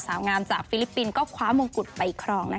สาวงามจากฟิลิปปินส์ก็คว้ามงกุฎไปครอง